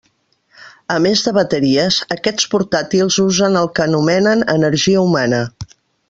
A més de bateries, aquests portàtils usen el que anomenen “energia humana”.